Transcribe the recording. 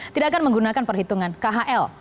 tidak akan menggunakan perhitungan khl